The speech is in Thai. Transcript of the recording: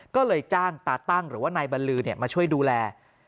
ก็เลยจ้างตาตั้งหรือว่านายบรรลือมาช่วยดูแล